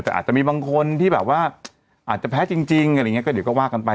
แต่อาจจะมีบางคนที่แบบว่าอาจจะแพ้จริงอะไรอย่างนี้ก็เดี๋ยวก็ว่ากันไป